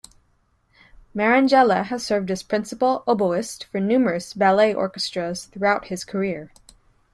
Marangella has served as principal oboist for numerous ballet orchestras throughout his career.